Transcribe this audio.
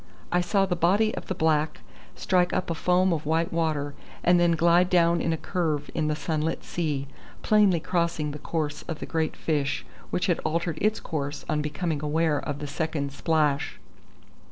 I saw the body of the black strike up a foam of white water, and then glide down in a curve in the sunlit sea, plainly crossing the course of the great fish, which had altered its course on becoming aware of the second splash.